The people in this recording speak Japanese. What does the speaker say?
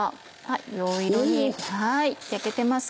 よい色に焼けてますね。